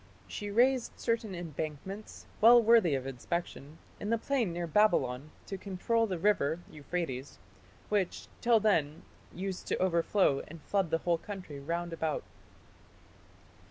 She raised certain embankments, well worthy of inspection, in the plain near Babylon, to control the river (Euphrates), which, till then, used to overflow and flood the whole country round about."